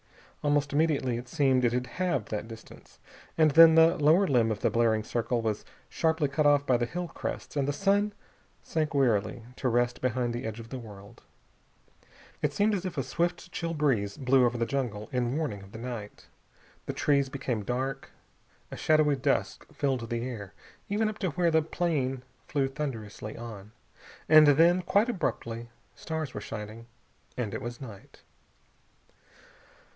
Almost immediately, it seemed, it had halved that distance. And then the lower limb of the blaring circle was sharply cut off by the hill crests and the sun sank wearily to rest behind the edge of the world. It seemed as if a swift chill breeze blew over the jungle, in warning of the night. The trees became dark. A shadowy dusk filled the air even up to where the plane flew thunderously on. And then, quite abruptly, stars were shining and it was night.